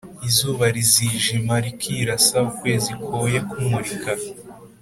izuba rizijima rikirasa, ukwezi koye kumurika.